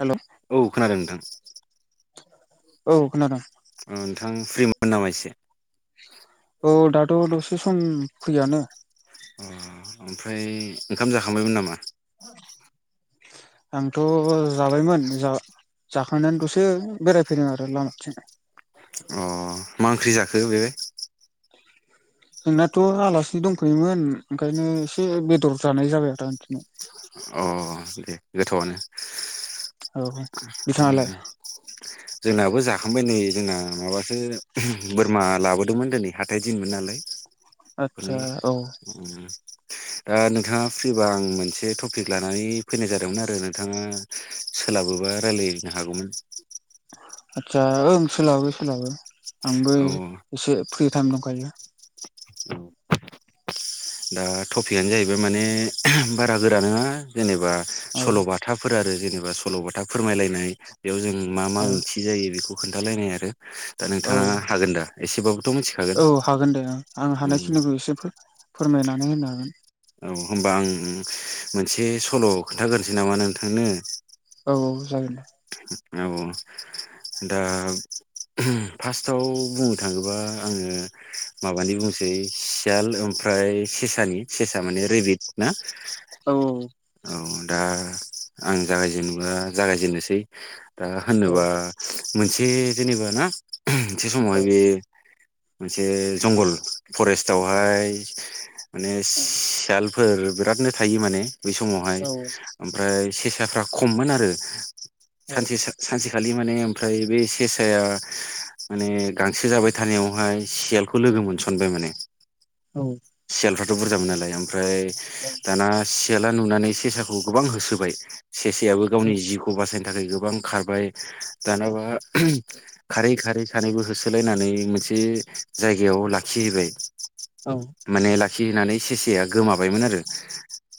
हेल' औ खोनादों नोंथां। औ खोनादों। ओ नोंथां फ्रिमोन नामा एसे? औ दाथ' दसे सम फ्रियानो। उम ओमफ्राय ओंखाम जाखांबायमोन नामा? आंथ' जाबायमोन जा जाखांनानै दसे बेरायफैदों आरो लामाथिं। अ मा ओंख्रि जाखो बे जोंनाथ' आलासि दंफैयोमोन ओंखायनो एसे बेदर जानाय जाबाय आरो आं दिनै। अ दे गोथावआनो। औ बिथाङालाय [unintelligible] जोंनाबो जाखांबाय नै जोंना माबा सो बोरमा लाबोदोंमोन दिनै हाथाय दिनमोन नालाय। आदसा [unintelligible] औ ओ नोंथाङा फ्रिबा आं मोनसे टपिक लानानै फैनाय जादोंमोन आरो नोंथाङा सोलाबोबा रायलायनो हागौमोन। आदसा ओं सोलाबो सोलाबो आंबो औ एसे फ्रि टाइम दंखायो। [inaudible] दा थपिकआनो जाहैबाय माने बारा गोरा नोङा जेनेबा औ सल'बाथाफोर आरो जेनेबा सल'बाथा फोरमायलायनाय बेयाव जों मा मा औ ओंथि जायो बेखौ खोन्थालायनाय आरो दा औ नोंथाङा हागोन दा एसेबाबो? औ हागोन दे ओं आं हानायखिनिखौ एसे फोर-फोरमायनानै होनो हागोन। औ होमबा आं मोनसे सल' खोन्थाग्रोनोसै नामा नोंथांनो? औ औ जागोन दे। औ दा फार्स्टआव बुंनो थाङोबा आङो माबानि बुंसै सियाल ओम फ्राय सेसानि सेसा माने रेबिद ना? औ औ। औ दा आं जागायजेनबा जागायजेननोसै दा औ होनोबा मोनसे जेनेबा ना मोनसे औ समावहाय बे मोनसे जंगल फरेस्टावहाय माने सियाल फोर बिरादनो थायो माने बै समावहाय औ ओमफ्राय सेसाफ्रा खममोन आरो औ सानसे सानसेखालि माने ओमफ्राय बे सेसाया माने गांसो जाबाय थानायावहाय सियालखौ लोगो मोनसनबाय माने। औ सियालफ्राथ' बुरजमोन नालाय ओमफ्राय औ दाना सियाला नुनानै सेसाखौ गोबां होसोबाय सेसायाबो औ गावनि जिउखौ बासायनो थाखाय गोबां खारबाय दानाबा खारै खारै खानैबो होसोलायनानै मोनसे एसे जायगायाव लाखिहैबाय माने लाखिहैनानै सेसेया गोमाबायमोन आरो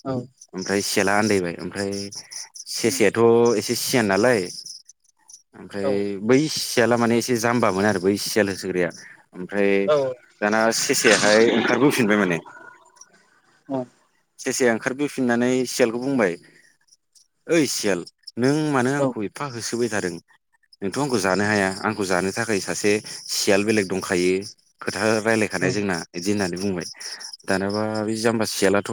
औ ओमफ्राय सियाला आन्दायबाय ओमफ्राय सेसायाथ' एसे सियान नालाय ओमफ्राय बै सियाला माने एसे जाम्बामोन आरो बै सियाल होसोग्राया ओमफ्राय दाना सेसायाहाय ओंखारबोफिनबाय माने औ सेसाया ओंखारबोफिननानै सियालखौ बुंबाय ओइ सियाल नों मानो आंखौ औ एफा होसोबाय थादों नोंथ' आंखौ जानो हाया आंखौ जानो थाखाय सासे सियाल बेलेग दंखायो खोथा रायलायखानाय जोंना इदि होननानै बुंबाय दानाबा बे जाम्बा सियालाथ'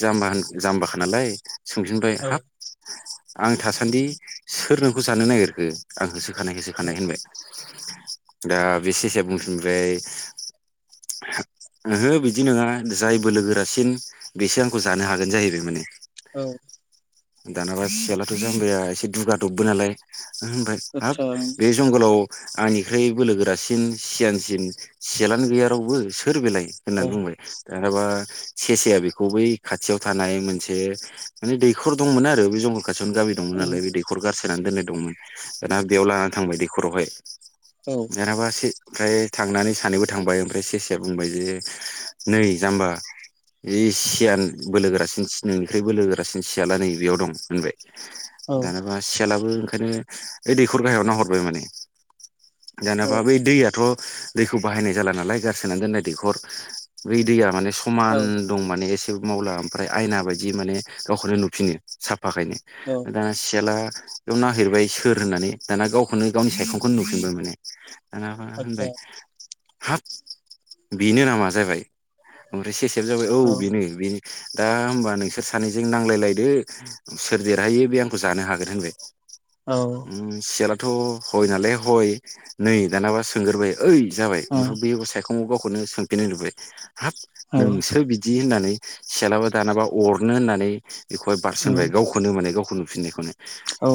जाम्बा जाम्बाखा नालाय सोंफिनबाय औ हाब आं थासान्दि सोर नोंखौ जानो नागिरखो आंहोसो खानाय होसोखानाय होसोखानाय होनबाय दा बे सेसाया बुंफिनबाय ओहो बिदि नङा जाय बोलोगोरासिन बेसो आंखौ जानो हागोन जाहैबाय माने औ दानाबा सियालाथ' जमबाया एसे दुगा दबबो नालाय होनबाय हाब बे जंगलाव आंनिख्रोय बोलोगोरासिन सियानसिन सियालानो गैया रावबो सोर बेलाय होननानै बुंबाया माबा सेसेया बेखौ बै खाथियाव थानाय मोनसे माने दैखर दंमोन आरो बे जं खाथियावनो गामि दंमोन नालाय बे दैखर गारसोननानै दोननाय दंमोन दाना बेयाव लानानानै थांबाय दैखरावहाय जेनाबा से ओमफ्राय थांनानै सानैबो थांबाय ओमफ्राय सेसाया बुंबाय जे नै जाम्बा जि सियान बोलोगोरासिन नोंनिख्रै बोलोगोरासिन सियाला नै बेयाव दं होनबाय दानाबा सियालाबो ओंखायनो ओइ दैखर गाहायाव नाहरबाय माने दानाबा बै दैयाथ' दैखौ बाहायनाय जाला नालाय गारसोना दोननाय दैखर बै दैया माने समान औ दं माने एसे मावला ओमफ्राय आयना बायदि माने गावखौनो नुफिनो साफाखायनो औ आतसा औ आतसा औ दाना सियाला बेयाव नाहिरबाय [unintelligible] सोर होननानै दाना गावखौनो गावनि सायखंखौनो नुफिनबाय माने दाना होनबाय हाब बेनो नामा जाबाय ओमफ्राय सेसाया जाबाय औ बेनो बेनो दा होमबा नोंसोर सानैजों नांलायलायदो सोर देरहायो बे आंखौ जानो हागोन होनबाय सियालाथ' हय नालाय हय नै दानाबा सोंग्रोबाय ओइ जाबाय ओमफ्राय बैयो [unintelligible] सायखंआव गावखौनो सोंफिननाय नुबाय हाब नोंसो बिदि होननानै सिलाबा दानाबा अरनो होननानै बेखौहाय बारसनबाय गावखौनो माने गावखौ नुफिननायखौनो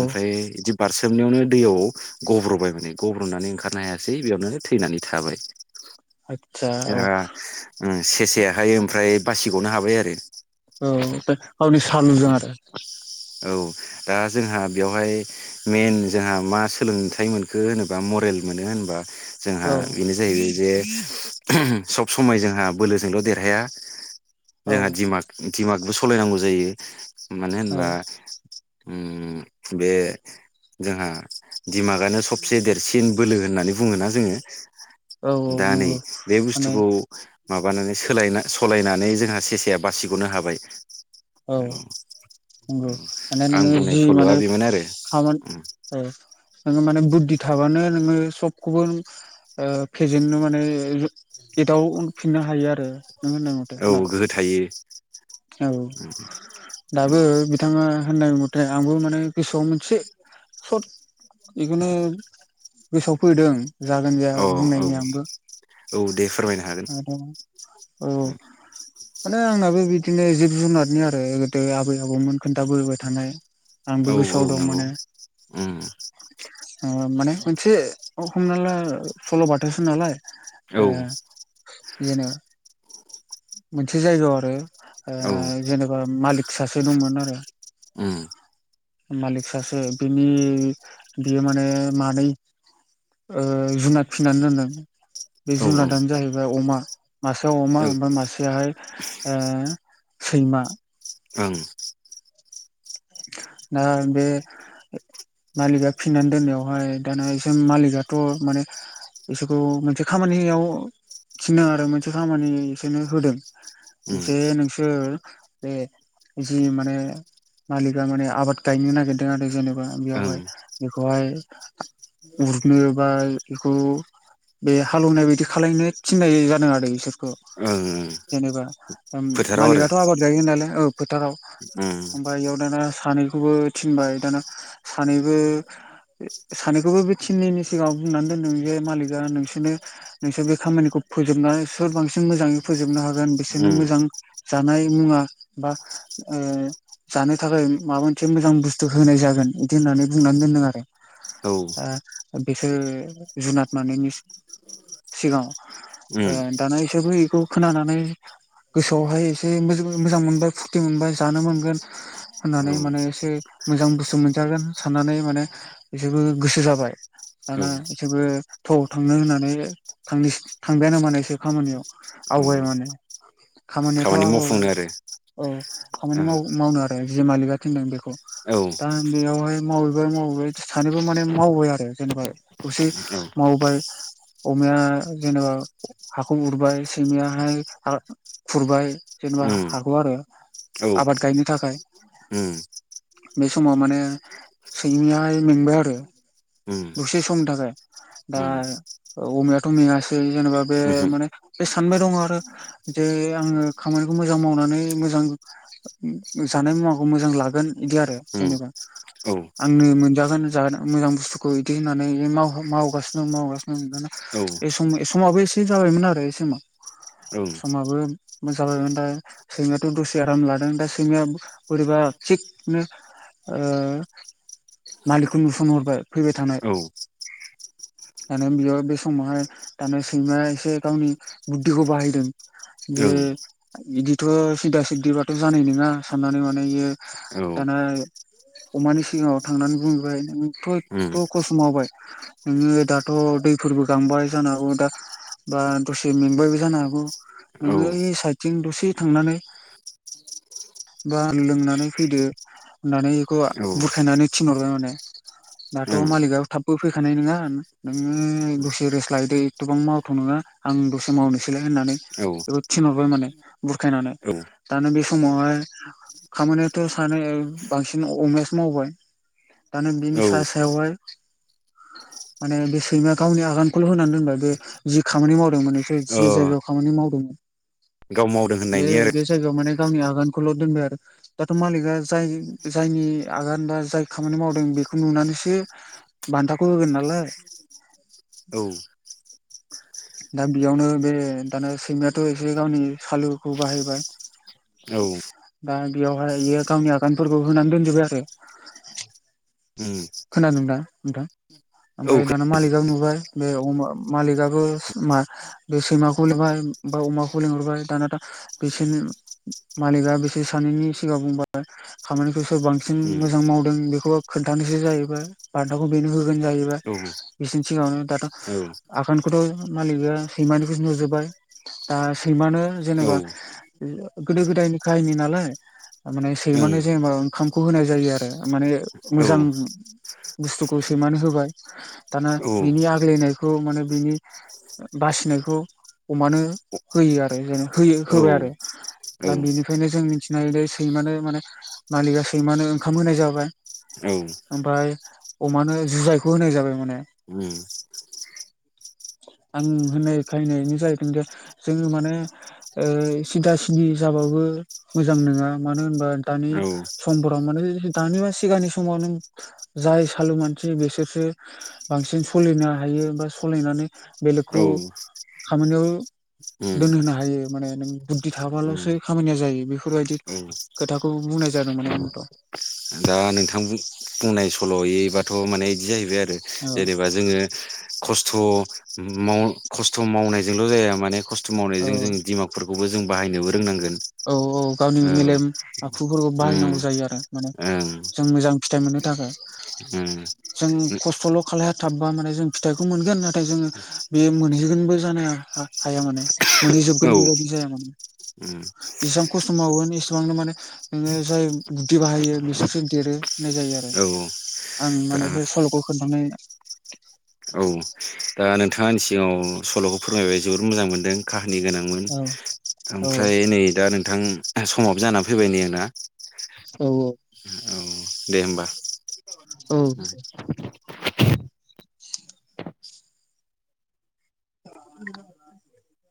ओमफ्राय बिदि बारसोमनायावनो दैयाव गब्र'बाय माने गब्र'नानै ओंखारनो हायासै बेयावनो थैनानै थाबाय आतसा औ जोंहा सेसेयाहाय ओमफ्राय बासिग'नो हाबाय आरो औ आवनि सालुजों आरो औ दा जोंहा बेवहाय मेन जोंहा मा सोलोंथाइ मोनखो होनोबा मर मोनो होनबा जोंहा बेनो जाहैबायजे सब समाय जोंहा बोलोजोंल' देरहाया औ जोंहा दिमाग दिमागबो सालायनांगौ जायो मानो औ होनबा बे जोंहा दिमागानो सब से देरसिन बोलो होननानै बुङोना जोङो औ दा नै नंगौ बे माने बुस्थुखौ माबानानै सोलायना सलायना। नै जोंहा सेसाया बासिग'नो हाबाय। औ औ नंगौ माने आं नोङो बुंनाय जि सल'आ माने। बेमोन आरो खामानि औ नोङो माने बुद्धि थाबानो नोङो। सबखौबो ओ फेजेननो माने एदाव फिननो हायो आरो। नों होनदोंमाथो औ ना गोहो थायो औ। दाबो औ बिथाङा होननाय म थे आंबो माने गोसोआव मोनसे सर्ट इखोनो गोसोआव फैदों। जागोन औ जाया बुंनायनि आंबो। औ दे फोरमायनो हागोन आरो औ। उम माने आंनाबो बिदिनो जिब जुनारनि आरो गोदो आबै आबौमोन खोन्थाबोबाय थानाय। आंबो औ गोसोआव दं नंगौ मोने। उम ओ माने मोनसे हमना ला सल' बाथासो नालाय। औ ओ जेनो मोनसे जायगायाव आरो ओ। जेनेबा मालिक सासे दंमोन आरो। उम मालिक सासे बिनि बि-बियो माने मानै ओ जुनाद फिनानै दोनदों। [inaudible] बे जुनादानो जाहैबाय अमा मासेया अमा ओं ओमफाय मासेया हाय ओ सैमा। ओं। ओ बे मालिका फिननानै दोननायावहाय दाना बिसोर मालिकथ' माने बिसोरखौ मोनसे खामानि ओइयाव थिनो आरो मोनसे खामानि एसोरनो होदों। जे नोंसोर बे जि माने। मालिका माने आबाद गायनो नागिरदों आरो जेनेबा उम ओं बेयावहाय बेखौहाय उरनो बा इखौ। बे हालेवनाय बादि खालामलायनो थिननाय जादों आरो बिसोर खौ ओं जेनेबा ओम फोथाराव आरो मालिखाथ' आबाद गायो नालाय ओ फोथाराव। उम। बेयाव दाना सानैखौबो थिनबाय दाना सानैबो सानैखौबो बे थिनैनि सिगाङाव बुंनानै दोनदों जे मालिका नोंसोरनो नोंसोर बे खामानिखौ फोजोबनानै सोर बांसिन मोजाङै फोजोबनो हागोन बिसोरनो उम मोजां जानाय मुवा बा ओ जानो थाखाय माबा मोनसे मोजां बुस्थु होनाय जागोन इदि होननानै बुंनानै दोनदों आरो। औ ओ बिसोर जुनाद मानैनि सिगाङाव ओ उम दाना इसोरबो बेखौ खोनानानै गोसोआवहाय एसे मोजो मोजां मोनबाय फुरथि मोनबाय जानो मोनगोन [inaudible] होननानै माने एसे मोजां बुस्थु मोनजागोन साननानै माने बेसोरबो गोसो जाबाय। औ दाना इसोबो थोव थांनो होननानै थांनिसि थांबायानो माने एसोर खामानियाव। आवगाय माने [inaudible] खामानियाथ' मावफुंनो आगायबाय आरो औ औ खामानि माव मावनो आरो जि मालिकआ थिदों बेखौ। औ दा बेयावहाय मावहैबाय मावहैबाय थो सानैबो माने मावबाय आरो जेनेबा दसे औ उम मावबाय। अमाया जेनेबा हाखौ उरबाय सैमायाहाय हा खुरबाय। जेनेबा हाखौ आरो। औ। आबाद गायनो थाखाय बे समाव माने सैमायाहाय मेंबाय आरो। उम दसे समनि थाखायाय दा अमायाथ' मेङासै जेनेबा बे उमहो माने बे सानबाय दङ आरो जे आङो खामानिखौ मोजां मावनानै मोजां जानाय मुवाखौ मोजां लागोन बिदि आरो उम जेनेबा औ आंनो मोनजागोन जा मोजां बुस्थुखौ बिदि होननानै मावगासिनो मावगासिनो मोन बे सम समाबो एसे जाबायमोन आरो बे समाव ओं औ ओं समाबो मो जाबायमोन दा सैमाथ' दसे आराम लादों दा सैमाया बोरैबा थिगनो‌‌ ओ मालिकखौ नुसनहरबाय फैबाय थानाय औ [inaudible] दाने बियो बे समावहाय दाने सैमाया एसे गावनि बुद्धिखौ बाहायदों जे उम इदिथ' सिदा सिदिबाथ' जाय नं ना साननानै माने बेयो औ दाना अमानि सिगाङाव थांनानै बुंबाय नोंथ' एथ' खस्थ' मावबाय नोङो दाथ' दैफोरबो गांबाय जानो हागौ दा बा दसे मेंबायबो जानो हागौ ओं नोङो साइदथिं दसे थांनानै बा लोंनानै फैदो होननानै बेखौ औ बुरखायनानै थिनहरबाय माने दाथ' मालिकआ थाबबो फैखानाय नङा नोङो दसे रेस्ट लायदो एथ'बां मावथ' नङा आं दसे मावनोसैलाय होननानै बेखौ थिनहरबाय माने बुरखायनानै दानो बेसे समावहाय खामानियाथ' सानै बांसिन अमायासो मावबाय दान औ बिनि सा सायाव हाय माने बे सैमाया गावनि आगानखौल' होनानै दोनबाय बे जि खामानि मावदोंमोन नोंसोर जि अ जायगायाव खामानि मावदोंमोन गाव मावदों बे होननायनि आरो बे जायगायाव माने गावनि आगानखौल' दोनबाय आरो दाथ' मालिकआ जाय जायनि आगान बा जाय खामानि मावदों बेखौ नुनानैसो बान्थाखौ होगोन नालाय औ दा बेयावनो बे दाना सैमायाथ' एसे गावनि सालुखौ बाहायबाय औ दा बेयावहाययो गावनि आगानफोरखौ होनानै दोनजोबबाय आरो [inaudible] खोनादोंंदा नोंथां औ ओमफ्राय उम दाना मालिकआ नुबाय बे मालिकआबो बे सैमाखौ लिरबाय बा अमाखौ लेंंहरबाय दाना बिसोरनि मालिकआ बिसोर सानैनि सिगां बुंबाय खामानिखौस बांसिन मोजां मावदों बेखौ आ खोन्थानो सो जायोबाय बान्दाखौ बेनो होगोन जाहैबाया औ बिसनि सिगाङावनो दाथ' औ ओं आगानखौथ' मालिकआ सैमानिखो नुजोबबाय आ सैमानो औ जेनेबा गोदो गोदाय नि काहनि नालाय माने सैमानो जेनेबा ओंखामखौ होनाय जायो आरो माने मोजां उम बुस्थुखौ सैमनानै होबाय दाना बिनि आगलायनायखौ माने बिनि बासिनायखौ अमानो होयो आरो जेन होयो औ होबाय आरो औ दा उम बेनिखायनो जों मिथिनो हायो द सैमानो माने मालिकआ सैमानो ओंखाम होनाय जाबाय औ ओमफ्राय अमानो जुजाइखौ होनाय जाबाय माने [inaudible] आं होननाय खाहनायनो जाहै खिन्थु जोङो माने ओ सिदा सिदि जाबाय मोजां नङा मानो होनबा दानि औ समफोराव माने दानि बा सिगांनि समाव नों जाय सालु मानसि बिसोरसो बांसिन सलिनो हायो बा सलिनानै बेलेगखौ औ खामानियाव उम दोनहोनो हायो माने नों बुद्धि थाबाल'सो उम खामानिया जायो बेफोरबायदि औ खोथाखौ बुंनाय जादों माने आंथ'। दा नोंथां बुं-बुंनाय सल'यैबाथ' माने इदि जाहैबाय आरो। औ जेनेबा जोङो खस्थ' खस्थ' मावनायजोंल' जाया माने खस्थ' औ मावनायजों जों दिमागफोरखौबो जों बाहायनोबो रोंनांगोन। औ औ गावनि औ मेलेम आखुफोरखौ उम बाहायनांगौ जायो आरो। माने जों मोजां फिथाइ मोननो थाखाय। उम । जों खस्थ'ल' खालायथाबबा माने जों फिथाइखौ मोनगोन नाथाय जोङो बेयो मोनहैगोनबो जानाया हाया माने मानि जोबगोन ओं बेबादि जाया माने उम। इसेबां खस्थ' मावगोन इसिबांनो माने नोङो जाय बुदि बाहायो बिसोरजों देरो। जायो आरो औ उम औ आं माने दा बे सल'खौ खोन्थानाय। औ दा नोंथाङा आंनि सिगाङाव सल'खौ फोरमायबाय जोबोद मोजां मोनदों काहा नि गोनांमोन औ औ ओमफ्राय नै दा नों थां समाबो जाना फैबाय नै आंना। औ औ। औ दे होमबा। औ। [unintelligible]